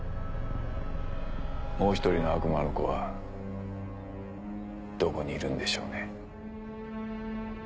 もう一人の悪魔の子はどこにいるんでしょうね？